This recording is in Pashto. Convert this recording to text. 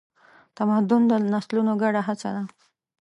تمدن د نسلونو ګډه هڅه ده.